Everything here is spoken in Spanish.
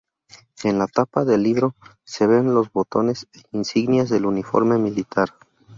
En la tapa de libro se ven los botones e insignias del uniforme militar.